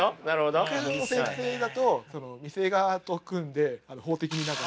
九条先生だと店側と組んで法的に何か。